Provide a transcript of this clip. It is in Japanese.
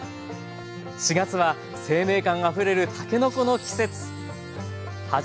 ４月は生命感あふれるたけのこの季節。